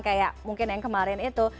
kayak mungkin yang kemarin itu